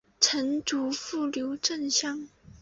曾祖父刘震乡。